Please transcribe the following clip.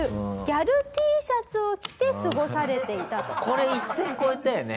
これ一線越えたよね。